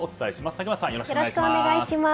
竹俣さん、よろしくお願いします。